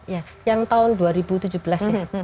ya yang tahun dua ribu tujuh belas ya